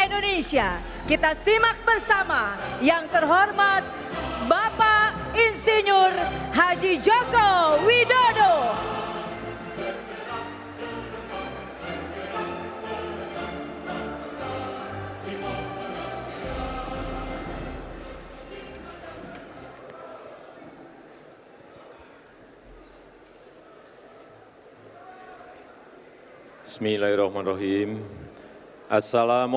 butet dipanggung si ando mamu